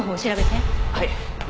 はい。